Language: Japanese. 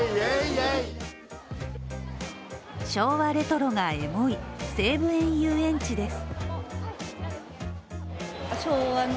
昭和レトロがエモい西武園ゆうえんちです。